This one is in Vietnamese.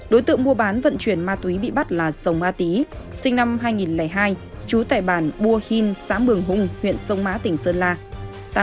đối tượng mua bán vận chuyển ma túy bị bắt là sông a tý sinh năm hai nghìn hai trú tại bản bua hin xã mường hùng huyện sông mã tỉnh sơn la